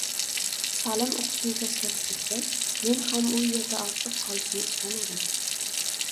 Salim oʻqishni tashlab ketgach, men ham u yerda ortiq qolishni istamadim.